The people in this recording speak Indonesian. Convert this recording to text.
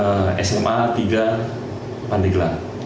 yang kedua adalah sma negeri empat pandegelang